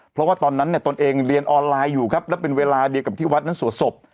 เพราะว่าตอนนั้นเนี่ยตนเองเรียนออนไลน์อยู่ครับและเป็นเวลาเดียวกับที่วัดนั้นสวดศพ